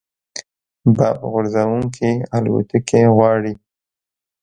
بمب غورځوونکې الوتکې غواړي